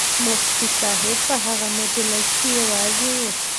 مفتي صاحب په هغه مجلس کې یوازې و.